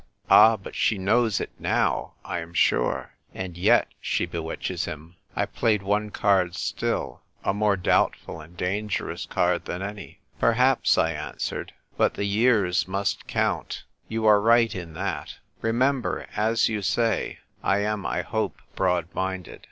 "Ah, but she knows it now, I am sure; and yet, she bewitches him !" I played one card still, a more doubtful and dangerous card than an}'. " Perhaps," I answered. " But the years must count. You " WIIKKKFOKK AKT TIIOL' KOMKO?" 239 arc right in that. Remember, as you say, I am (I hope) broad minded.